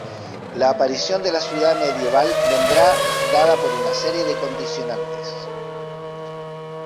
La aparición de la ciudad medieval vendrá dada por una serie de condicionantes.